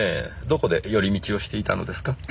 どこで寄り道をしていたのですか？